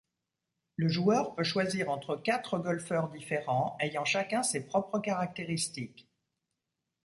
Le joueur peut choisir entre quatre golfeurs différents, ayant chacun ses propres caractéristiques.